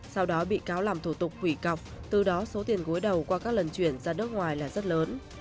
sau đó bị cáo làm thủ tục hủy cọc từ đó số tiền gối đầu qua các lần chuyển ra nước ngoài là rất lớn